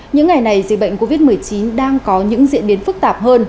những ngày này dịch bệnh covid một mươi chín đang có những diễn biến phức tạp hơn